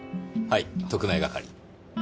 はい特命係。